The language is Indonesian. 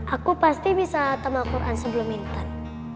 aku pasti bisa tambah quran sebelum intan